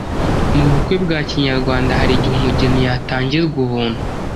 Mu bukwe bwa kinyarwanda hari igihe umugeni yatangirwa ubuntu.